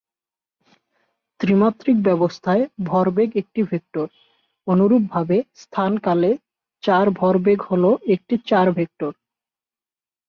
ত্রিমাত্রিক ব্যবস্থায় ভরবেগ একটি ভেক্টর; অনুরূপভাবে স্থান-কালে চার-ভরবেগ হল একটি চার-ভেক্টর।